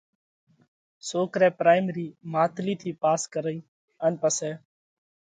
سوڪرئہ پرائمرِي ماتلِي ٿِي پاس ڪرئِي ان پسئہ